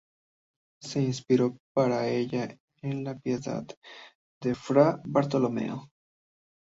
Se inspiró para ella en la "Piedad" de Fra Bartolomeo.